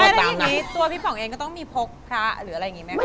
ไม่อะไรอย่างนี้ตัวพี่ป๋องเองก็ต้องมีพกคหรืออะไรอย่างนี้ไหมครับ